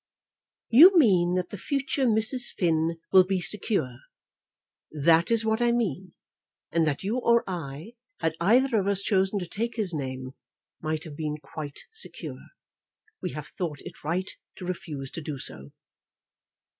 "You mean that the future Mrs. Finn will be secure?" "That is what I mean; and that you or I, had either of us chosen to take his name, might have been quite secure. We have thought it right to refuse to do so."